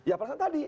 ya pelaksanaan tadi